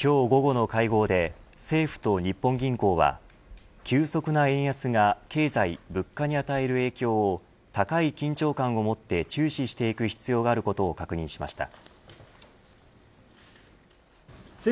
今日午後の会合で政府と日本銀行は急速な円安が経済・物価に与える影響を高い緊張感を持って注視していく必要があることを確認しました。